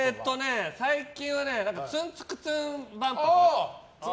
最近はツンツクツン万博。